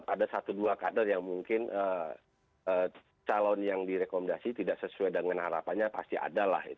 ada satu dua kader yang mungkin calon yang direkomendasi tidak sesuai dengan harapannya pasti adalah